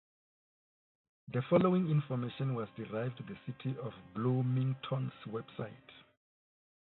The following information was derived the City of Bloomington's Website.